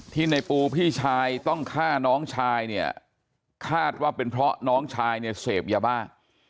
ในปูพี่ชายต้องฆ่าน้องชายเนี่ยคาดว่าเป็นเพราะน้องชายเนี่ยเสพยาบ้า